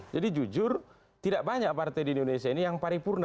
jadi jujur tidak banyak partai di indonesia ini yang paripurna seperti itu